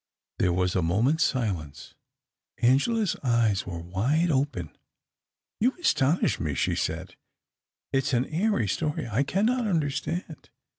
There was a moment's silence. Angela's eyes were wide open. " You astonish me !" she said. "It is a^ airy story. I cannot understand."